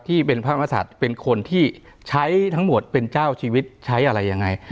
ที่เป็นพระมศัตริย์เป็นคนที่ใช้ทั้งหมดเป็นเจ้าชีวิตใช้อะไรยังไง